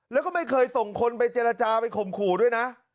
แล้วก็ไม่เคยส่งคนไปเจรจาไปข่มขู่ด้วยนะ